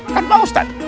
kan pak ustadz